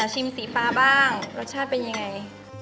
ชิมสีฟ้าบ้างรสชาติเป็นอย่างไร